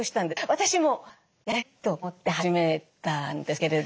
私もやりたい！と思って始めたんですけれど。